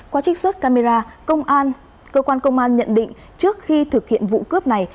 qua trích xuất camera cơ quan công an nhận định trước khi thực hiện vụ cướp này